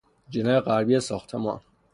جناح غربی ساختمان